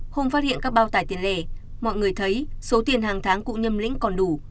không phát hiện các bao tải tiền lẻ mọi người thấy số tiền hàng tháng cụ nhâm lĩnh còn đủ